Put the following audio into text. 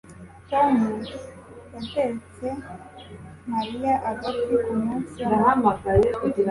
Tom yatetse Mariya agati kumunsi wamavuko